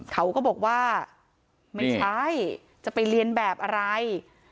เขาก็บอกว่าไม่ใช่จะไปเรียนแบบอะไร